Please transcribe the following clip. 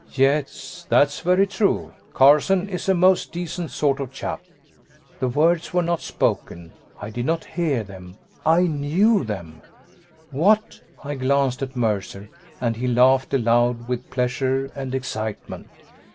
"Yes, that's very true: Carson is a most decent sort of chap." The words were not spoken. I did not hear them, I knew them. What I glanced at Mercer, and he laughed aloud with pleasure and excitement.